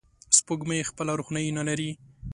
سپوږمۍ خپله روښنایي نه لري